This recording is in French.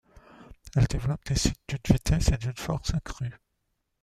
Elle développe des signes d'une vitesse et d'une force accrues.